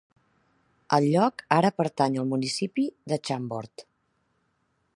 El lloc ara pertany al municipi de Chambord.